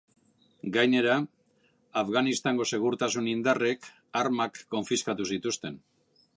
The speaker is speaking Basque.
Gainera, Afganistango segurtasun indarrek armak konfiskatu zituzten.